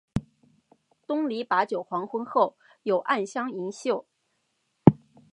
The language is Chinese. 东篱把酒黄昏后，有暗香盈袖